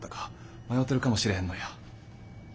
迷てるかもしれへんのや。